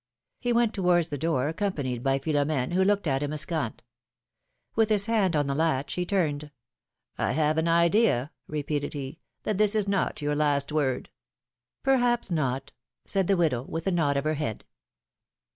He went towards the door accompanied by Philom^ne, who looked at him askant. Witli his hand on the latch, he turned. I have an idea," repeated he, that this is not your last word." Perhaps not," said the widow, with a nod of her head.